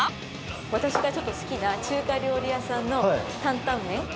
私がちょっと好きな中華料理屋さんの担々麺。